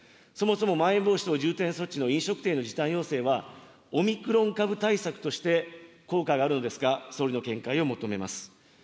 そもそもまん延防止等重点措置の飲食店の時短要請は、オミクロン株対策として効果があるのですか、総理の見解を求めます。